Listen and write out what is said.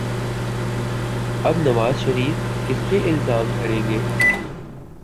اب نواز شریف کس پہ الزام دھریں گے؟